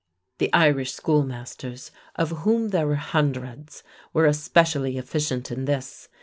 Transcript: The Irish schoolmasters, of whom there were hundreds, were especially efficient in this.